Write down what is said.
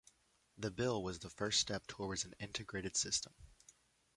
The bill was the first step towards an integrated system.